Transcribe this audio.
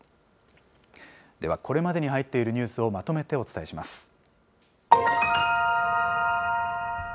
ではこれまでに入っているニュースをまとめてお伝えします。